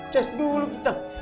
ces dulu kita